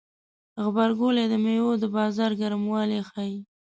غبرګولی د میوو د بازار ګرموالی ښيي.